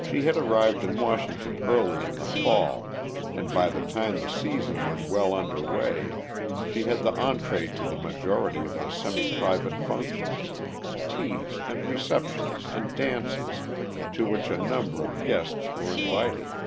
She had arrived in Washington early in the fall, and by the time the season was well under way she had the entrée to the majority of the semiprivate functions teas and receptions and dances to which a number of guests were invited.